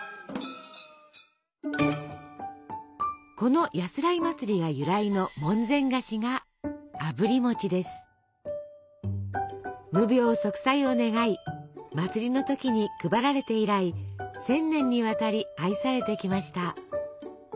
この「やすらい祭」が由来の門前菓子が無病息災を願い祭りの時に配られて以来１，０００年にわたり愛されてきました。